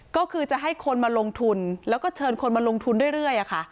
ก็คือจะให้คนมาลงทุนแล้วก็เชิญคนมาลงทุนเรื่อยค่ะ